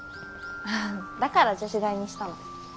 だから女子大にしたの。